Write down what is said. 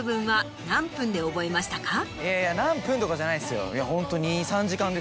いやいや何分とかじゃないですよいやホント。